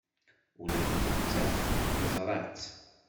Ula d nettat teẓra-tt.